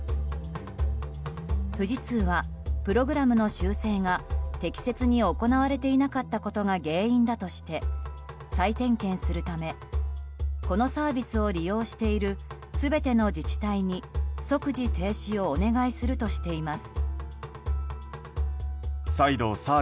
富士通は、プログラムの修正が適切に行われていなかったことが原因だとして再点検するためこのサービスを利用している全ての自治体に即時停止をお願いするとしています。